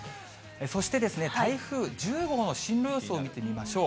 そしてですね、台風１０号の進路予想を見てみましょう。